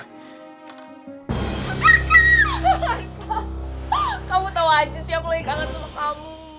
kamu tau aja sih aku lagi kangen sama kamu